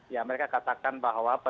ya mereka katakan bahwa